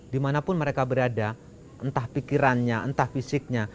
dimanapun mereka berada entah pikirannya entah fisiknya